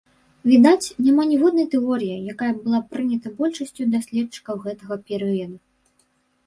Відаць, няма ніводнай тэорыі, якая б была прыняты большасцю даследчыкаў гэтага перыяду.